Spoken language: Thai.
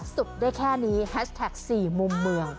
ได้แค่นี้แฮชแท็ก๔มุมเมือง